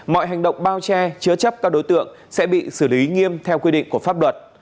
mọi hành động bao che chứa chấp các đối tượng sẽ bị xử lý nghiêm theo quy định của pháp luật